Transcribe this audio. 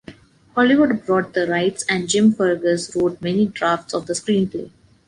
Hollywood brought the rights and Jim Fergus wrote many drafts of the screenplay.